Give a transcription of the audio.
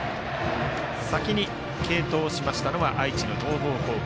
先に継投しましたのは愛知の東邦高校。